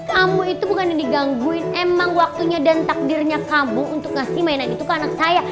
kamu itu bukan yang digangguin emang waktunya dan takdirnya kamu untuk ngasih mainan itu ke anak saya